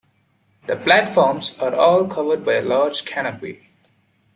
The platforms are all covered by a large canopy.